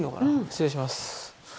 失礼します。